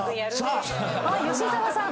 吉沢さん